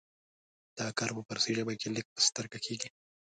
دا کار په فارسي ژبه کې لږ په سترګه کیږي.